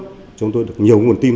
cho chúng tôi được nhiều nguồn tin